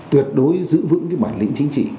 tuyệt đối giữ vững cái bản lĩnh chính trị